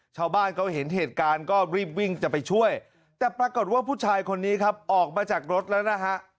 ชาวบ้านเขาเห็นเหตุการณ์ก็รีบวิ่งจะไปช่วยแต่ปรากฏว่าผู้ชายคนนี้ครับออกมาจากรถแล้วนะฮะ